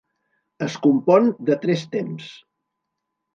Es compon de tres temps.